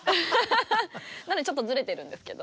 なのでちょっとずれてるんですけど。